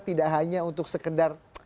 tidak hanya untuk sekedar